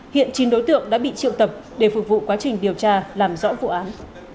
hiện chín đối tượng đã bị triệu tập để phục vụ quá trình điều tra làm rõ vụ án